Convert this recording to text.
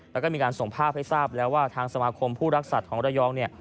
แล้วก็มีการส่งภาพให้ทราบแล้วว่าทางสมาคมผู้รักสัตว์ของระยองเนี่ย